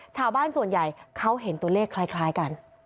ชาวบ้านส่วนใหญ่เขาเห็นตัวเลขคล้ายกัน